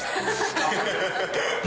ハハハッ。